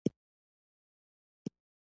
ایا زه باید عمرې ته لاړ شم؟